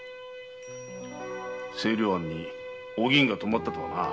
清涼庵にお銀が泊まったとはな。